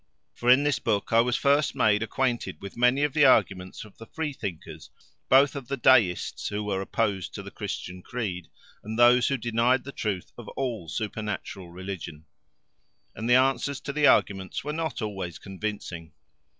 For in this book I was first made acquainted with many of the arguments of the freethinkers, both of the Deists who were opposed to the Christian creed, and of those who denied the truth of all supernatural religion. And the answers to the arguments were not always convincing.